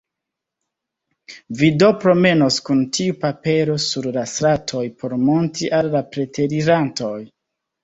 Vi do promenos kun tiu papero sur la stratoj por montri al la preterirantoj?